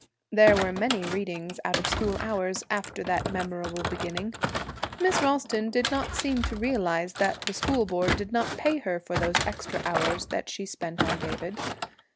There were many readings out of school hours, after that memorable beginning. Miss Ralston did not seem to realize that the School Board did not pay her for those extra hours that she spent on David.